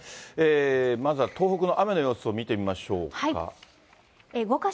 まずは東北の雨の様子を見てみましょうか。